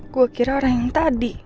gue kira orang yang tadi